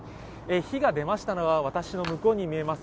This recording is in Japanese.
火が出ましたのは、私の向こうに見えます